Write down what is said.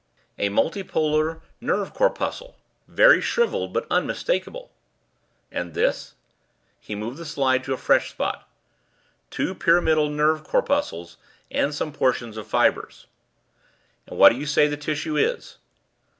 "A multipolar nerve corpuscle very shrivelled, but unmistakable." "And this?" He moved the slide to a fresh spot. "Two pyramidal nerve corpuscles and some portions of fibres." "And what do you say the tissue is?"